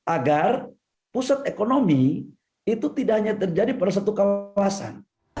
agar pusat ekonomi itu tidak hanya terjadi pada satu kawasan